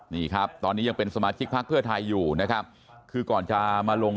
นี่ครับตอนนี้ยังเป็นสมาชิกพักเพื่อไทยอยู่นะครับคือก่อนจะมาลง